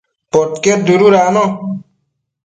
Podquied dëdudacno